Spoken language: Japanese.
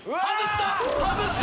外した！